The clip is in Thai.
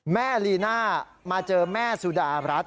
แม่ลีน่ามาเจอแม่สุดอารัส